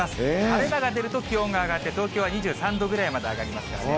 晴れ間が出ると気温が上がって東京は２３度ぐらいまで上がりますからね。